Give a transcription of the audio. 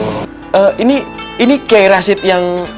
eh ini ini kiai rasid yang